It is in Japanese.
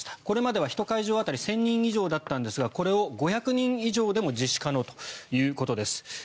これまでは１会場当たり１０００人以上だったんですがこれを５００人以上でも実施可能ということです。